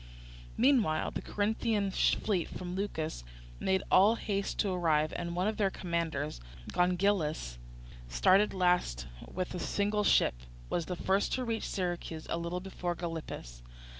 Meanwhile the Corinthian fleet from Leucas made all haste to arrive; and one of their commanders, Gongylus, starting last with a single ship, was the first to reach Syracuse, a little before Gylippus.